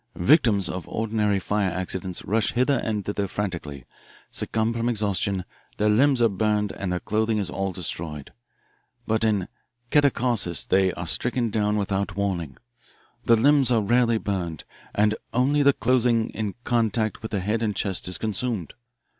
Victims of ordinary fire accidents rush hither and thither frantically, succumb from exhaustion, their limbs are burned, and their clothing is all destroyed. But in catacausis they are stricken down without warning, the limbs are rarely burned, and only the clothing in contact with the head and chest is consumed.